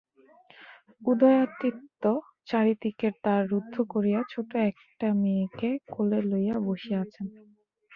উদয়াদিত্য চারিদিকের দ্বার রুদ্ধ করিয়া ছােট একটি মেয়েকে কোলে লইয়া বসিয়া আছেন।